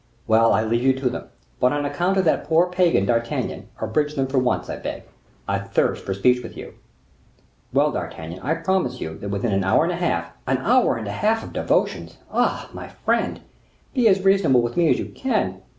"Well, I leave you to them; but on account of that poor pagan, D'Artagnan, abridge them for once, I beg; I thirst for speech with you." "Well, D'Artagnan, I promise you that within an hour and a half—" "An hour and a half of devotions! Ah! my friend, be as reasonable with me as you can.